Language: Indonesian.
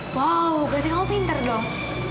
wow berarti kamu pinter dong